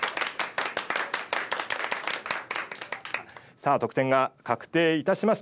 さあ得点が確定いたしました。